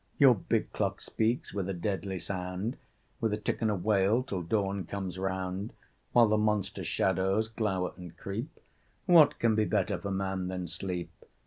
Your big clock speaks with a deadly sound, With a tick and a wail till dawn comes round. While the monster shadows glower and creep, What can be better for man than sleep?"